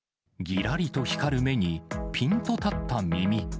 ぎらりと光る目にぴんと立った耳。